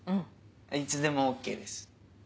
いつでもＯＫです。